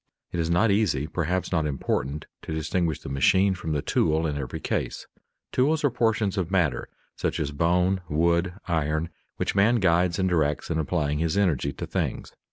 _ It is not easy, perhaps not important, to distinguish the machine from the tool in every case. Tools are portions of matter, such as bone, wood, iron, which man guides and directs in applying his energy to things.